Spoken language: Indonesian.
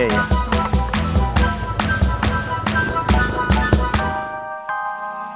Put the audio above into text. yaudah yuk jalan